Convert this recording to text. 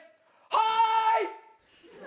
はい！